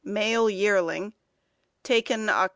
(Male yearling, taken Oct.